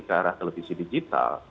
ke arah televisi digital